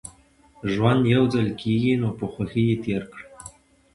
ژوند يوځل کېږي نو په خوښۍ يې تېر کړئ